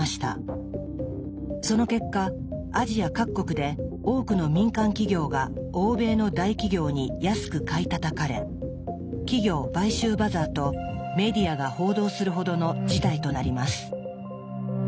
その結果アジア各国で多くの民間企業が欧米の大企業に安く買いたたかれ「企業買収バザー」とメディアが報道するほどの事態となります。